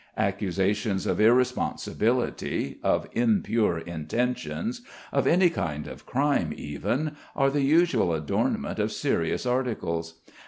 Accusations of irresponsibility, of impure intentions, of any kind of crime even, are the usual adornment of serious articles.